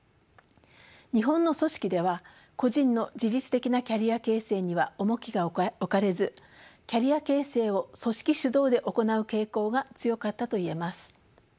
日本の組織では個人の自律的なキャリア形成には重きが置かれずキャリア形成を組織主導で行う傾向が強かったと言えます。